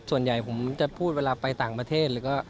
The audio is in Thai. ส่วนใหญ่ผมจะพูดเวลาไปต่างประเทศ